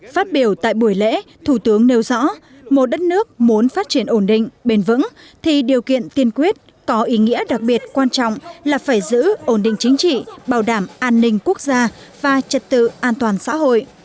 phát biểu tại buổi lễ thủ tướng nêu rõ một đất nước muốn phát triển ổn định bền vững thì điều kiện tiên quyết có ý nghĩa đặc biệt quan trọng là phải giữ ổn định chính trị bảo đảm an ninh quốc gia và trật tự an toàn xã hội